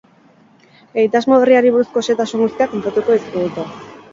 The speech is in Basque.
Egitasmo berriari buruzko xehetasun guztiak kontatuko dizkigute.